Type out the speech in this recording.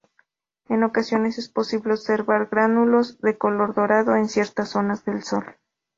En ocasiones es posible observar "gránulos" de color dorado en ciertas zonas del sol.